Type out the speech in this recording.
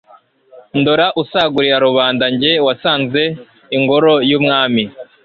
Ndora usagurira Rubanda Jye wasanze ingoro y'Umwami,